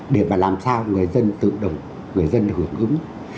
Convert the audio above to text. để mà làm sao người dân tự động người dân hưởng ứng